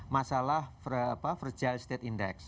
masalah fragile state index